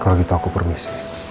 kalau gitu aku permisi